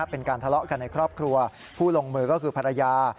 เป็นการทะเลาะกันในครอบครัวผู้ลงมือก็คือภรรยา